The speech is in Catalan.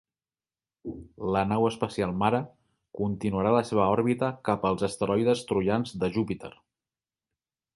La nau espacial mare continuarà la seva òrbita cap als asteroides troians de Júpiter.